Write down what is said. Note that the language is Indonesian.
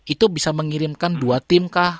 itu bisa mengirimkan dua tim kah